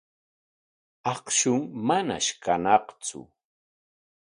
Akshun manash kañaqtsu.